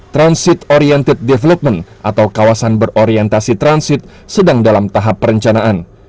transit oriented development atau kawasan berorientasi transit sedang dalam tahap perencanaan